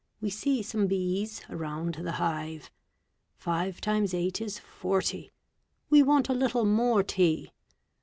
We see some bees around the hive. Five times eight is forty. We want a little more tea.